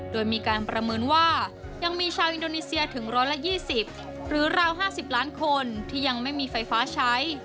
โดยมีการประเมินว่ายังมีชาวอินโดนีเซียถึง๑๒๐หรือราว๕๐ล้านคนที่ยังไม่มีไฟฟ้าใช้